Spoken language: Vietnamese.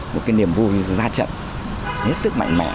một cái niềm vui ra trận hết sức mạnh mẽ